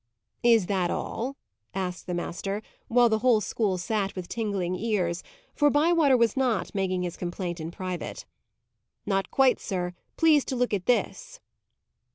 "Is that all?" asked the master, while the whole school sat with tingling ears, for Bywater was not making his complaint in private. "Not quite, sir. Please to look at this."